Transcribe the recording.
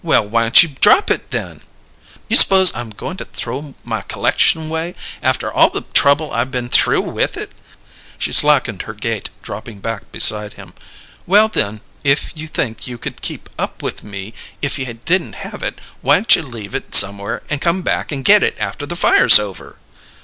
"Well, why'n't you drop it, then?" "You s'pose I'm goin' to throw my c'lection away after all the trouble I been through with it?" She slackened her gait, dropping back beside him. "Well, then, if you think you could keep up with me if you didn't have it, why'n't you leave it somewhere, and come back and get it after the fire's over?"